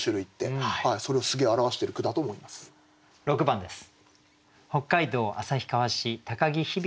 ６番です。